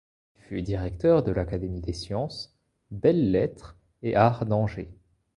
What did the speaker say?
Il fut directeur de l’Académie des sciences, belles-lettres et arts d'Angers.